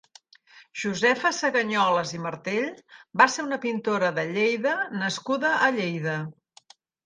Josefa Sagañoles i Martell va ser una pintora de Lleida nascuda a Lleida.